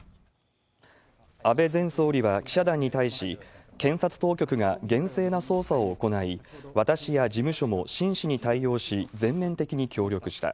安倍前総理は記者団に対し、検察当局が厳正な捜査を行い、私や事務所も真摯に対応し、全面的に協力した。